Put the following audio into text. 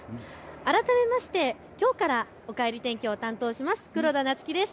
改めましてきょうからおかえり天気を担当します、黒田菜月です。